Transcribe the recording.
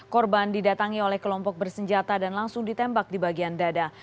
korban didatangi oleh kelompok bersenjata dan langsung ditembak di bagian dada